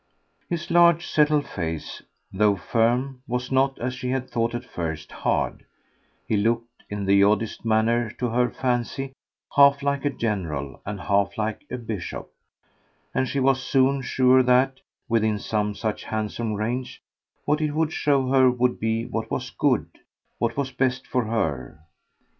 His large settled face, though firm, was not, as she had thought at first, hard; he looked, in the oddest manner, to her fancy, half like a general and half like a bishop, and she was soon sure that, within some such handsome range, what it would show her would be what was good, what was best for her.